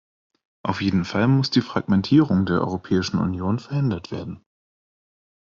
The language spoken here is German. Auf jeden Fall muss die Fragmentierung der Europäischen Union verhindert werden.